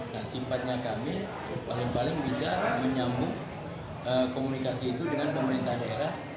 nah sifatnya kami paling paling bisa menyambung komunikasi itu dengan pemerintah daerah